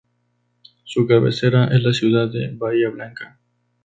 Su cabecera es la ciudad de Bahía Blanca.